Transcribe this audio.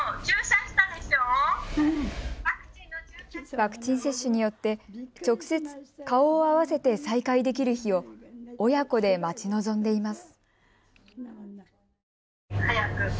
ワクチン接種によって直接、顔を合わせて再会できる日を親子で待ち望んでいます。